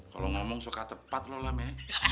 kalau ngomong suka tepat loh lam ya